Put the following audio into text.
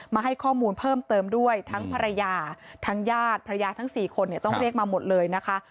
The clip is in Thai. มาให้ข้อมูลเพิ่มเติมด้วยทั้งภรรยาทั้งญาติภรรยาทั้ง๔คนเนี่ยต้องเรียกมาหมดเลยนะคะ